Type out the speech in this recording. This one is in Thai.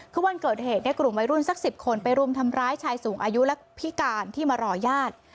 คือวันเกิดเหตุเนี่ยกลุ่มวัยรุ่นสัก๑๐คนไปรุมทำร้ายชายสูงอายุและพิการที่มารอญาติ